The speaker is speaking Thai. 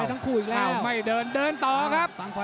หรือว่าผู้สุดท้ายมีสิงคลอยวิทยาหมูสะพานใหม่